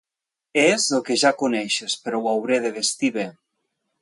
És el que ja coneixes, però ho hauré de vestir bé.